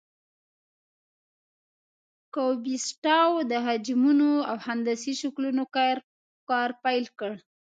کوبیسټاو د حجمونو او هندسي شکلونو کار پیل کړ.